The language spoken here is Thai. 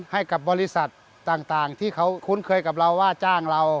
ให้กับบริษัทต่างที่เขาคุ้นเคยกับเราว่าจ้างเรา